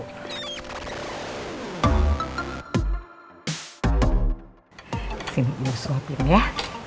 disini gue suapin ya